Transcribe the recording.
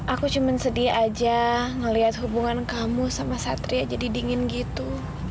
aku cuma sedih aja ngeliat hubungan kamu sama satria jadi dingin gitu